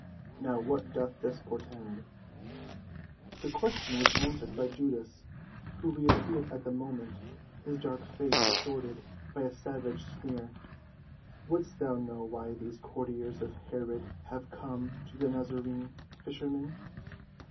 Now, what doth this portend?" The question was answered by Judas, who reappeared at the moment, his dark face distorted by a savage sneer. "Wouldst know why these courtiers of Herod have come to the Nazarene, fisherman?